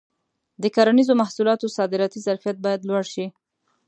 د کرنیزو محصولاتو صادراتي ظرفیت باید لوړ شي.